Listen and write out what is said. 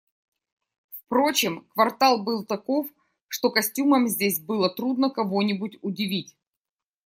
Впрочем, квартал был таков, что костюмом здесь было трудно кого-нибудь удивить.